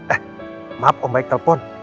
eh maaf om baik telpon